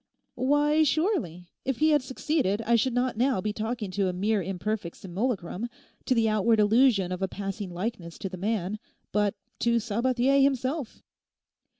'Why, surely; if he had succeeded I should not now be talking to a mere imperfect simulacrum, to the outward illusion of a passing likeness to the man, but to Sabathier himself!